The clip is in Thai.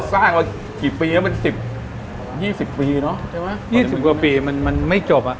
๒๐กว่าปีมันไม่จบ